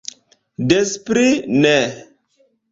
Des pli ne!